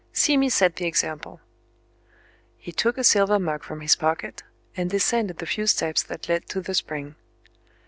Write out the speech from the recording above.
See me set the example." He took a silver mug from his pocket, and descended the few steps that led to the spring.